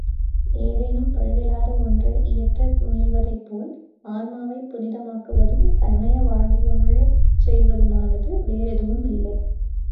ஏதேனும் பழுதிலாத ஒன்றை இயற்ற முயல்வதைப்போல் ஆன்மாவைப் புனிதமாக்குவதும் சமயவாழ்வு வாழச் செய்வதுமானது வேறெதுவும் இல்லை.